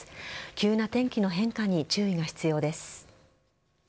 急な天気の変化に注意が必要です。